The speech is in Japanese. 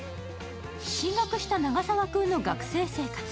進学した永沢君の学生生活。